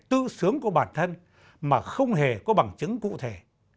tự sướng của bản thân mà không hề có bằng chứng cụ thể